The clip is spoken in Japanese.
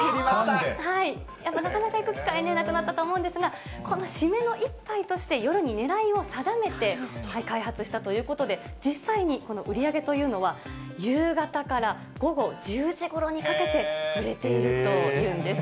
なかなか行く機会なかったと思うんですが、この締めの一杯として夜に狙いを定めて開発したということで、実際に売り上げというのは夕方から午後１０時ごろにかけて売れているというんです。